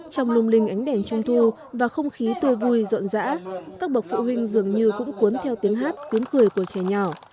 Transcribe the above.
trong lung linh ánh đèn trung thu và không khí tươi vui rộn rã các bậc phụ huynh dường như cũng cuốn theo tiếng hát cuốn cười của trẻ nhỏ